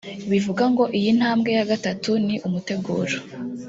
Bivuga ngo iyi ntambwe ya gatatu ni umuteguro